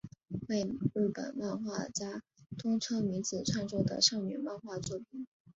为日本漫画家东村明子创作的少女漫画作品。